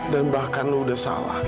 dan bahkan lo udah salah